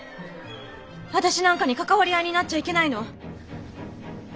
私なんかに関わり合いになっちゃいけないの！